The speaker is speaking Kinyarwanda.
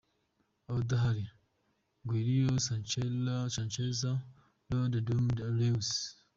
Abadahari: Guerreiro , Schmelzer , Rode, Durm , Reus.